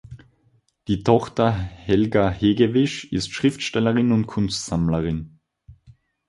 Die Tochter Helga Hegewisch ist Schriftstellerin und Kunstsammlerin.